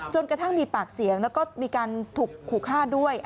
กระทั่งมีปากเสียงแล้วก็มีการถูกขู่ฆ่าด้วย